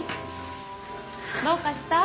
どうかした？